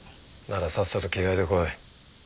ならさっさと着替えてこい。